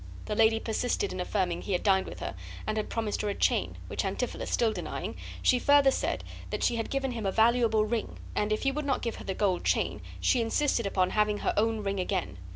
The lady persisted in affirming he had dined with her and had promised her a chain, which Antipholus still denying, she further said that she had given him a valuable ring, and if he would not give her the gold chain, she insisted upon having her own ring again.